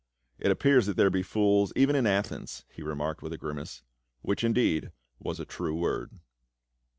" It appears that there be fools even in Athens !" he remarked with a grimace. Which indeed was a true word.